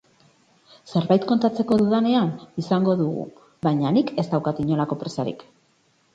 Zerbait kontatzeko dudanean, izango dugu, baina nik ez daukat inolako presarik.